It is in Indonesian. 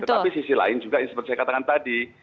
tetapi sisi lain juga yang seperti saya katakan tadi